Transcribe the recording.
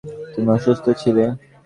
তুমি অসুস্থ ছিলে?